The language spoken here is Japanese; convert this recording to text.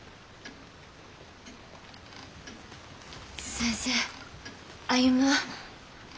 先生歩は？